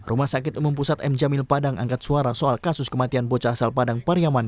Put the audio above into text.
rumah sakit umum pusat m jamil padang angkat suara soal kasus kematian bocah asal padang pariyaman